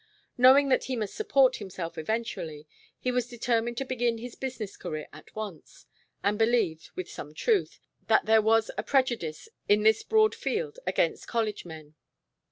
Knowing that he must support himself eventually, he was determined to begin his business career at once, and believed, with some truth, that there was a prejudice in this broad field against college men.